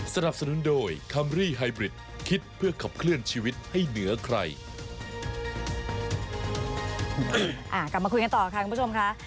กลับมาคุยกันต่อค่ะคุณผู้ชมค่ะ